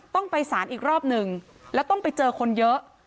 ต้องไปสารอีกรอบหนึ่งแล้วต้องไปเจอคนเยอะ